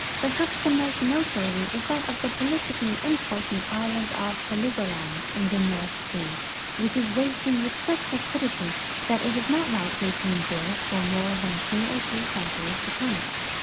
Perhaps the most noteworthy is that of the politically imjjortaiit island of Heligoland in the North sea, which is wasting with such rapidity that it is not likely to endure for more than two or three centuries to come.